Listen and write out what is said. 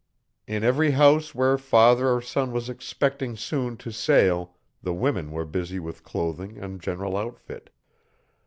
In every house where father or son was expecting soon to sail the women were busy with clothing and general outfit.